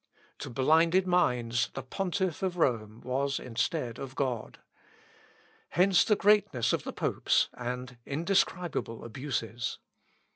To blinded minds, the Pontiff of Rome was instead of God. Hence the greatness of the popes and indescribable abuses.